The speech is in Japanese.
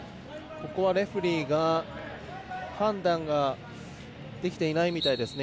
レフェリーが判断ができていないみたいですね。